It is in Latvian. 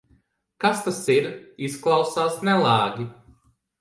Kas tas ir? Izklausās nelāgi.